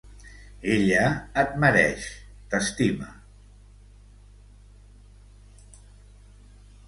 Ella et mereix, t'estima.